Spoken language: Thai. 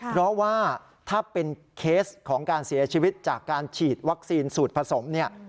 เพราะว่าถ้าเป็นเคสของการเสียชีวิตจากการฉีดวัคซีนสูตรผสมเนี่ย